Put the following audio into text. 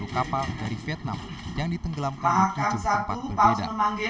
sepuluh kapal dari vietnam yang ditenggelamkan di tujuh tempat berbeda